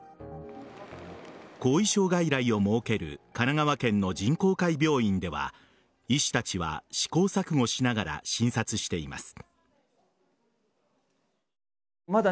後遺症外来を設ける神奈川県の仁厚会病院では医師たちは試行錯誤しながら診察しています。